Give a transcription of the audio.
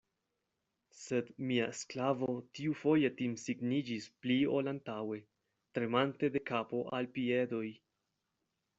Sed mia sklavo tiufoje timsigniĝis pli ol antaŭe, tremante de kapo al piedoj.